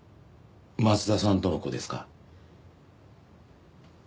松田さんとの子ですか？